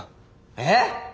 えっ？